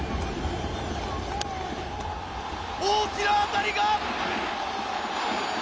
大きな当たりが。